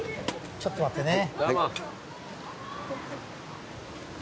ちょっと待ってね。